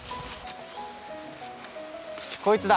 こいつだ！